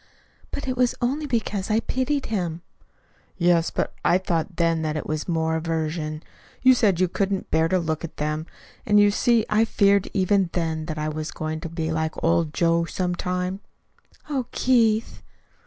"But it was only because I pitied him." "Yes; but I thought then that it was more aversion. You said you couldn't bear to look at them. And you see I feared, even then, that I was going to be like old Joe some time." "Oh, Keith!"